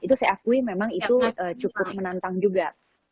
itu saya akui memang itu cukup menantang juga